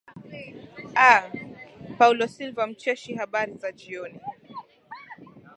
aah paulo silva mcheshi habari za jioni